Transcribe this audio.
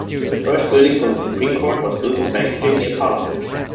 The first building for the Supreme Court was built on Bank Street near Parliament.